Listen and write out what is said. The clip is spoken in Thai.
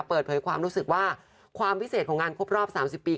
เปิดเผยความรู้สึกว่าความพิเศษของงานครบรอบ๓๐ปี